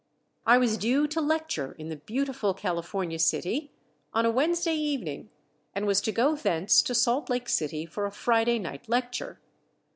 I was due to lecture in the beautiful California city on a Wednesday evening, and was to go thence to Salt Lake City for a Friday night lecture.